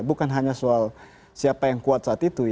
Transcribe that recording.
bukan hanya soal siapa yang kuat saat itu